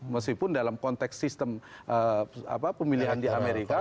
meskipun dalam konteks sistem pemilihan di amerika